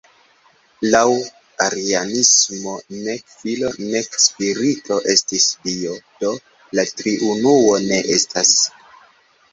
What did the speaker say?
Laŭ arianismo, nek Filo nek Spirito estis Dio, do la Triunuo ne estas.